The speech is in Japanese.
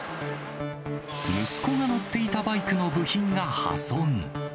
息子が乗っていたバイクの部品が破損。